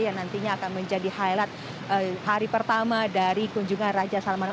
yang nantinya akan menjadi highlight hari pertama dari kunjungan raja salman